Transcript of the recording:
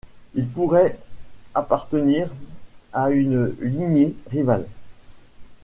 Il pourrait appartenir à une lignée rivale.